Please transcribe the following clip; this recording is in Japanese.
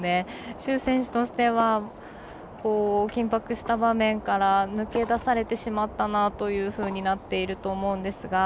朱選手としては緊迫した場面から抜け出されてしまったなというふうになっていると思うんですが。